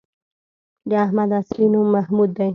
د احمد اصلی نوم محمود دی